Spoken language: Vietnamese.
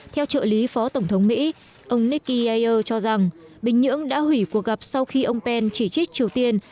theo trợ lý phó tổng thống mỹ ông nicky yeo cho rằng bình nhưỡng đã hủy cuộc gặp sau khi ông pence chỉ trích triều tiên